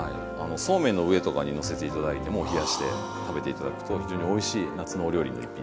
そうめんの上とかにのせて頂いても冷やして食べて頂くと非常においしい夏のお料理の一品になります。